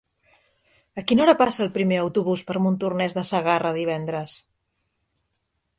A quina hora passa el primer autobús per Montornès de Segarra divendres?